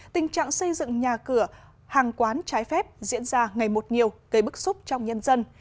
tình trạng xây dựng nhà cửa hàng quán trái phép diễn ra ngày một nhiều gây bức xúc trong nhân dân